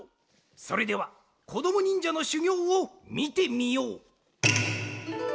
それではこどもにんじゃのしゅぎょうをみてみよう。